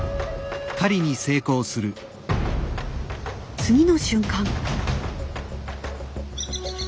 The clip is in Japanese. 次の瞬間。